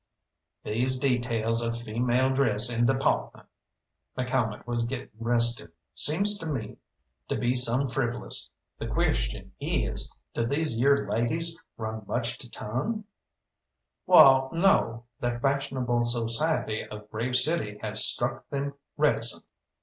"These details of female dress and depawtment" McCalmont was getting restive "seems to me to be some frivolous. The question is, Do these yere ladies run much to tongue?" "Wall, no; the fashionable society of Grave City has struck them reticent.